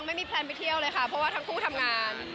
แพลนไปเที่ยวเลยค่ะเพราะว่าทั้งคู่ทำงาน